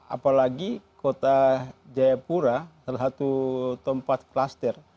apalagi kota jayapura salah satu tempat kluster